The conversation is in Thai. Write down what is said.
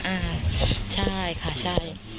อ่าใช่ค่ะใช่